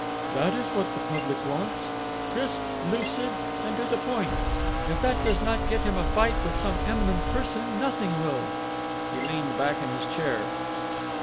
That is what the public wants. Crisp, lucid, and to the point. If that does not get him a fight with some eminent person, nothing will." He leaned back in his chair.